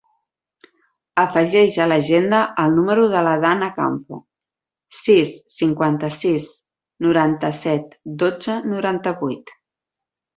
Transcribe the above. Afegeix a l'agenda el número de la Danna Campo: sis, cinquanta-sis, noranta-set, dotze, noranta-vuit.